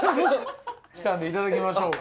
来たんでいただきましょうか。